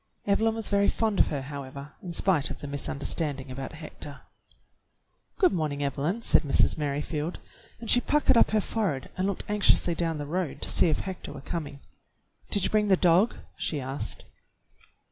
Evelyn was very fond of her, however, in spite of the misunderstanding about Hector. "Good morning, Evelyn," said Mrs. Merrifield, and she puckered up her forehead and looked anx iously down the road to see if Hector were coming. "Did you bring the dog.^^" she asked.